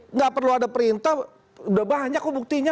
nggak perlu ada perintah udah banyak kok buktinya